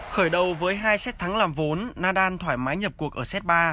khởi đầu với hai set thắng làm vốn nadal thoải mái nhập cuộc ở set ba